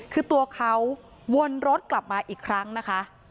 คือตัวเขาวนรถกลับมาอีกครั้งนะคะ